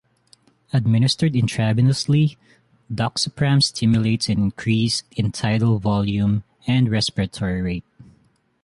Administered intravenously, doxapram stimulates an increase in tidal volume, and respiratory rate.